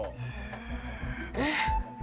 えっ？